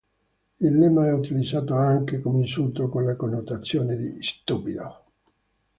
Il lemma è utilizzato anche come insulto, con la connotazione di "stupido".